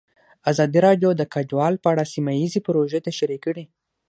ازادي راډیو د کډوال په اړه سیمه ییزې پروژې تشریح کړې.